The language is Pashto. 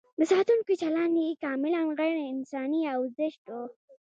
د ساتونکو چلند یې کاملاً غیر انساني او زشت و.